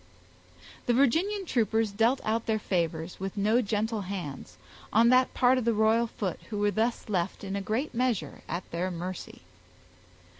The Virginian troopers dealt out their favors, with no gentle hands, on that part of the royal foot who were thus left in a great measure at their mercy.